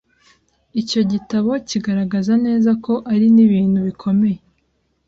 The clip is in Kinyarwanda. icyo gitabo kigaragaza neza ko ari n’ibintu bikomeye